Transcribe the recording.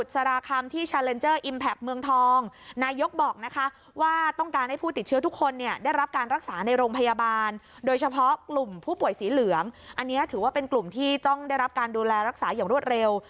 สีเหลืองอันนี้ถือว่าเป็นกลุ่มที่ต้องได้รับการดูแลรักษาอย่างรวดเร็ว